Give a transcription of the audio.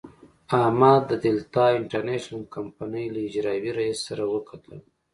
احمد د دلتا انټرنشنل کمينۍ له اجرائیوي رئیس سره وکتل.